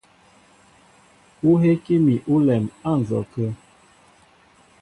Ó heki mi ólɛm á nzɔkə̂.